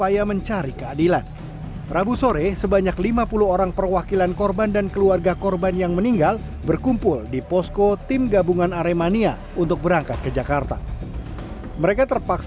yakni komnas ham kpai komisi dpr ri dan baris krim mabes polri untuk mengadu dan menuntut keadilan